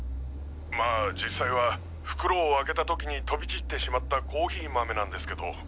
まあ実際は袋を開けた時に飛び散ってしまったコーヒー豆なんですけど。